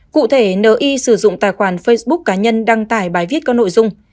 cụ thể ni sử dụng tài khoản facebook cá nhân đăng tải bài viết có nội dung